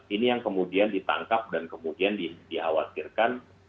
ini yang kemudian ditangkap dan kemudian dikhawatirkan